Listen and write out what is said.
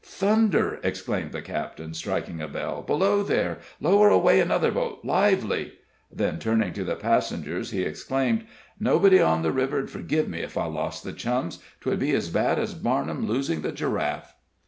"Thunder!" exclaimed the captain, striking a bell. "Below there! Lower away another boat lively!" Then, turning to the passengers, he exclaimed: "Nobody on the river'd forgive me if I lost the Chums. 'Twould be as bad as Barnum losing the giraffe."